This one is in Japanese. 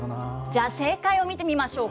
じゃあ、正解を見てみましょう。